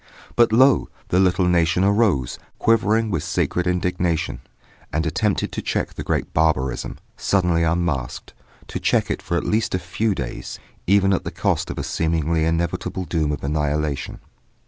But lo! the little nation arose, quivering with sacred indignation, and attempted to check the great barbarism, suddenly unmasked; to check it for at least a few days, even at the cost of a seemingly inevitable doom of annihilation.